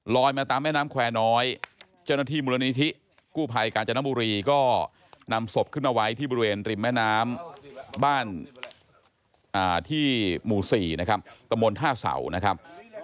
มาตามแม่น้ำแควร์น้อยเจ้าหน้าที่มูลนิธิกู้ภัยกาญจนบุรีก็นำศพขึ้นมาไว้ที่บริเวณริมแม่น้ำบ้านที่หมู่๔นะครับตะมนต์ท่าเสานะครับ